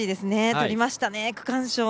とりましたね、区間賞。